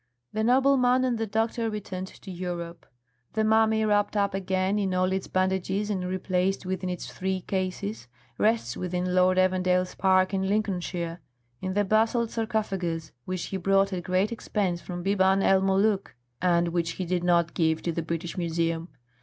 The nobleman and the doctor returned to Europe. The mummy, wrapped up again in all its bandages and replaced within its three cases, rests within Lord Evandale's park in Lincolnshire, in the basalt sarcophagus which he brought at great expense from Biban el Molûk and which he did not give to the British Museum.